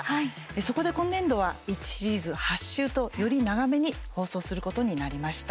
そこで今年度は１シリーズ８週とより長めに放送することになりました。